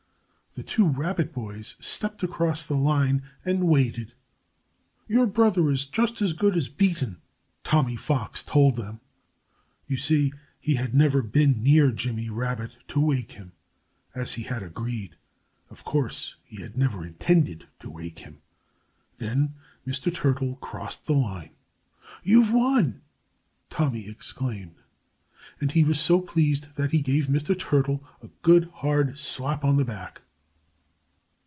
The two Rabbit boys stepped across the line and waited. "Your brother is just as good as beaten," Tommy Fox told them. You see, he had never been near Jimmy Rabbit to wake him, as he had agreed. Of course, he had never intended to wake him. Then Mr. Turtle crossed the line. "You've won!" Tommy exclaimed. And he was so pleased that he gave Mr. Turtle a good, hard slap on the back.